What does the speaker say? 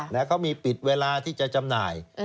แล้วเขามีปิดเวลาที่จะจำหน่าย